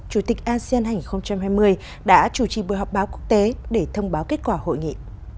chủ tịch asean hai nghìn hai mươi đã chủ trì buổi họp báo quốc tế để thông báo kết quả hội nghị